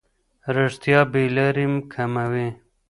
رښتیا بې لارۍ کموي.